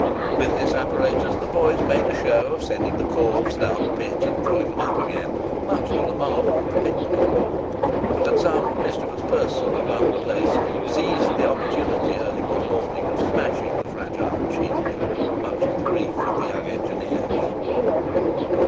With this apparatus the boys made a show of sending the corves down the pit and drawing them up again, much to the marvel of the pitmen. But some mischievous person about the place seized the opportunity early one morning of smashing the fragile machinery, much to the grief of the young engineers.